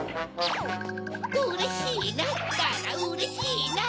うれしいなったらうれしいな！